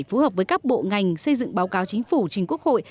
phù hợp với các bộ ngành xây dựng báo cáo chính phủ chính quốc hội